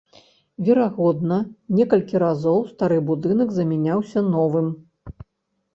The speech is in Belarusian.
Верагодна некалькі разоў стары будынак замяняўся новым.